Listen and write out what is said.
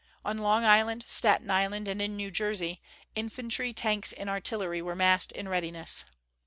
On Long Island, Staten Island, and in New Jersey, infantry, tanks and artillery were massed in readiness.